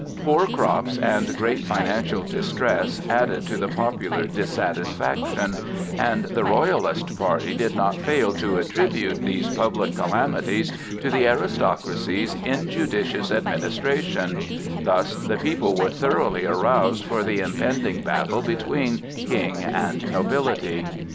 Poor crops and great financial distress added to the popular dissatisfaction, and the royalist party did not fail to attribute these public calamities to the aristocracy's injudicious administration; thus the people were thoroughly aroused for the impending battle between King and nobility.